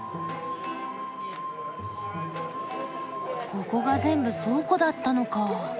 ここが全部倉庫だったのか。